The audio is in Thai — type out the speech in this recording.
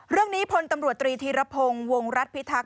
เรื่องนี้พลตำรวจตรีธีรพงศ์วงรัฐพิทักษ